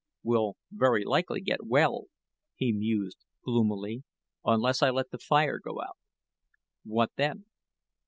"We'll very likely get well," he mused, gloomily, "unless I let the fire go out. What then?